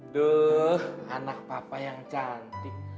duh anak papa yang cantik